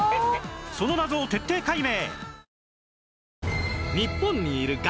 その謎を徹底解明！